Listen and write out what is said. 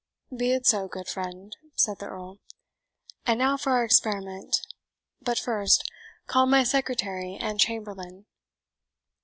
"Be it so, good friend," said the Earl. "And now for our experiment; but first call my secretary and chamberlain."